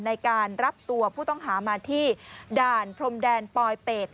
ในการรับตัวผู้ต้องหามาที่ด่านพรมแดนปลอยเป็ด